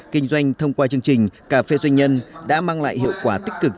kinh doanh thông qua chương trình cà phê doanh nhân đã mang lại hiệu quả tích cực